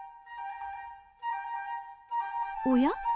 おや？